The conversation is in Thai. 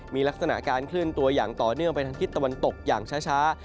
มีลักษณะการเคลื่อนตัวอย่างต่อเนื่องไปทางทิศตะวันตกอย่างช้า